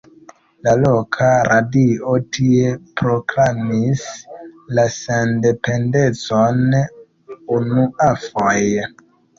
La loka radio tie proklamis la sendependecon unuafoje.